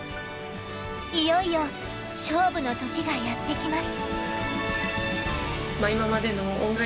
いよいよ勝負の時がやってきます。